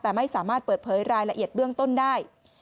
แต่ไม่สามารถเปิดเผยรายละเอียดเบื้องต้นได้